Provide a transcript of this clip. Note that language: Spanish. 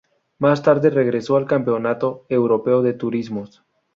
Más tarde regresó al Campeonato Europeo de Turismos.